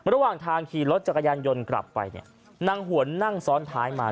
ระหว่างทางขี่รถจักรยานยนต์กลับไปเนี่ยนางหวนนั่งซ้อนท้ายมา